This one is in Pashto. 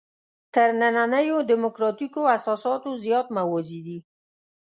تر نننیو دیموکراتیکو اساساتو زیات موازي دي.